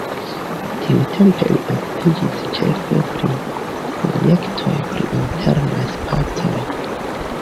Tiutempe li okupiĝis ĉefe pri projektoj pri internaj spacoj.